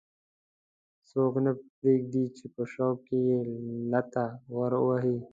څوک نه پرېږدي چې په شوق کې یې لغته ور ووهي.